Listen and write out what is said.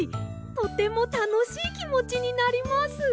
とてもたのしいきもちになります。